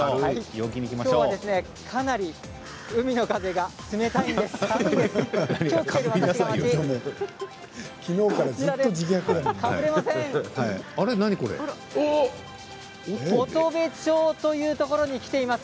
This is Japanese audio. きょうはかなり海の風が冷たいです。